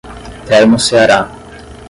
Termoceará